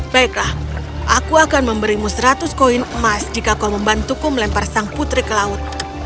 baiklah aku akan memberimu seratus koin emas jika kau membantuku melempar sang putri ke laut